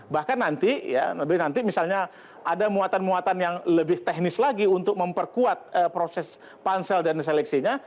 bahkan nanti ya lebih nanti misalnya ada muatan muatan yang lebih teknis lagi untuk memperkuat proses pansel dan seleksinya